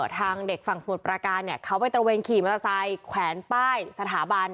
ทางเด็กฝั่งสมุทรประการเขาไปตระเวนขี่มอเตอร์ไซค์แขวนป้ายสถาบัน